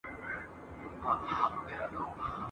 د حسرت خولې دي